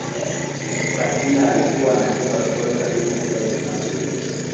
Sakina alikuwa ananipa stori karibu kila Jumapili